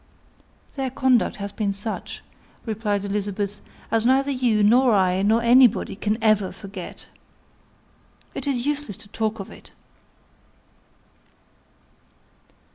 "Their conduct has been such," replied Elizabeth, "as neither you, nor I, nor anybody, can ever forget. It is useless to talk of it."